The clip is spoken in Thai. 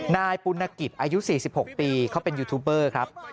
นายปุณกิจอายุ๔๖ปีเขาเป็นยูทูบเบอร์ครับ